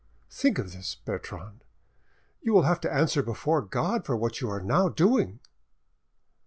Think of this, Bertrande, you will have to answer before God for what you are now doing!"